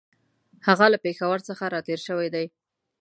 هغه له پېښور څخه را تېر شوی دی.